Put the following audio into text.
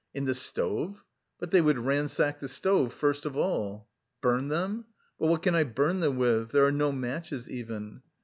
"In the stove? But they would ransack the stove first of all. Burn them? But what can I burn them with? There are no matches even.